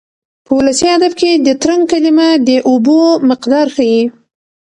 په ولسي ادب کې د ترنګ کلمه د اوبو مقدار ښيي.